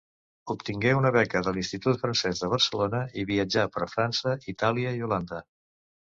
Obtingué una beca de l'Institut Francès de Barcelona i viatjà per França, Itàlia i Holanda.